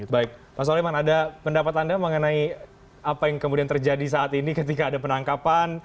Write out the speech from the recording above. baik pak soleman ada pendapat anda mengenai apa yang kemudian terjadi saat ini ketika ada penangkapan